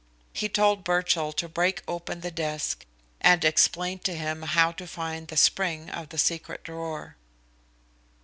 He told Birchill to break open the desk, and explained to him how to find the spring of the secret drawer."